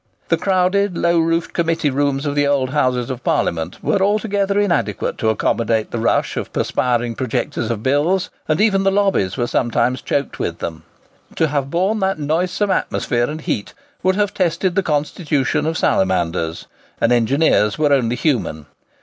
The crowded, low roofed committee rooms of the old Houses of Parliament were altogether inadequate to accommodate the rush of perspiring projectors of bills, and even the lobbies were sometimes choked with them. To have borne that noisome atmosphere and heat would have tested the constitutions of salamanders, and engineers were only human.